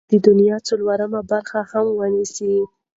دوی به د دنیا څلورمه برخه هم ونیسي.